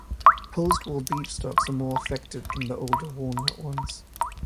Postwar beech stocks are more affected than the older walnut ones.